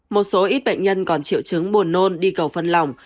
một số ít bệnh nhân còn triệu chứng buồn nôn đi cầu phân lòng